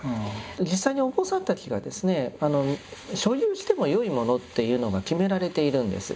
実際にお坊さんたちがですね所有してもよいものっていうのが決められているんです。